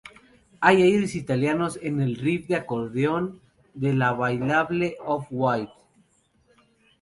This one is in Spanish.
Hay aires italianos en el riff de acordeón de la bailable "Off White".